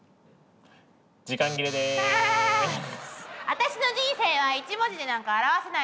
私の人生は一文字でなんか表せないの。